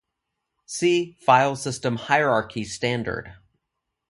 See Filesystem Hierarchy Standard.